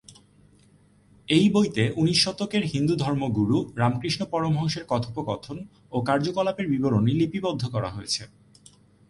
এই বইতে উনিশ শতকের হিন্দু ধর্মগুরু রামকৃষ্ণ পরমহংসের কথোপকথন ও কার্যকলাপের বিবরণী লিপিবদ্ধ করা হয়েছে।